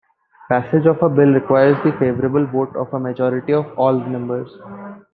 Passage of a bill requires the favorable vote of a majority of all members.